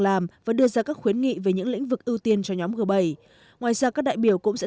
làm và đưa ra các khuyến nghị về những lĩnh vực ưu tiên cho nhóm g bảy ngoài ra các đại biểu cũng sẽ